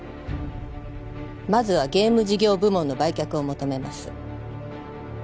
まずはゲーム事業部門の売却を求めます